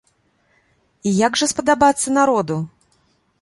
І як жа спадабацца народу?